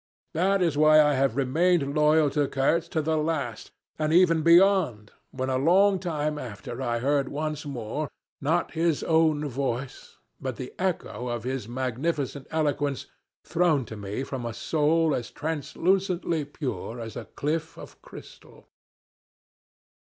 That is why I have remained loyal to Kurtz to the last, and even beyond, when a long time after I heard once more, not his own voice, but the echo of his magnificent eloquence thrown to me from a soul as translucently pure as a cliff of crystal.